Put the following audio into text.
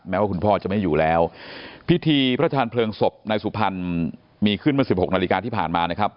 แม้ว่าคุณพ่อจะไม่อยู่แล้วพิธีพระอาจารย์เผลิงศพนายสุพรรณมีขึ้นมา๑๖นาฬิกาที่ผ่านมานะครับ